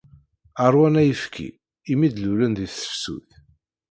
Rwan ayefki, imi d-lulen di tefsut.